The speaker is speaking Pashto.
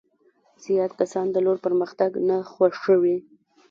زیات کسان د لور پرمختګ نه خوښوي.